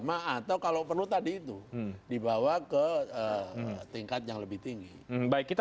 atau jalur ulangschik